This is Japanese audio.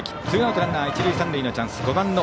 ツーアウトランナー、一塁三塁のチャンス。